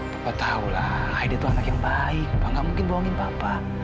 papa tau lah aida tuh anak yang baik pak gak mungkin bohongin papa